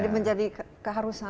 enggak menjadi keharusan